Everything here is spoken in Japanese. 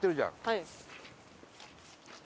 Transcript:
はい。